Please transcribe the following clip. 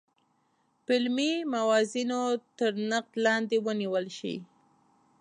په علمي موازینو تر نقد لاندې ونیول شي.